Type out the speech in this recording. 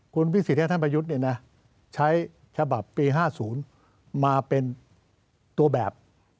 คุณพิสิทธิท่านประยุทธ์ใช้ฉบับปี๕๐มาเป็นตัวแบบ